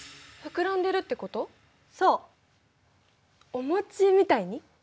お餅みたいに？